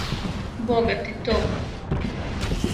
Бога ти, то.